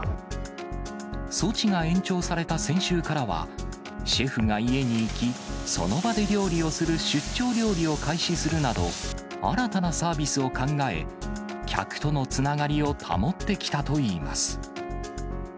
措置が延長された先週からは、シェフが家に行き、その場で料理をする出張料理を開始するなど、新たなサービスを考え、客とのつながりを保ってきたといいます。